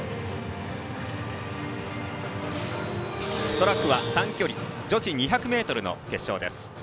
トラックは短距離女子２００ｍの決勝です。